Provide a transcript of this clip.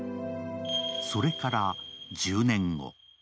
それから１０年後。